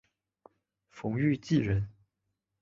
冯誉骥人。